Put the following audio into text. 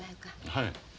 はい。